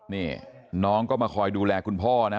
นี่น้องก็มาคอยดูแลคุณพ่อนะ